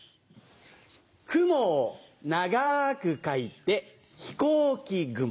「雲」を長く書いて飛行機雲。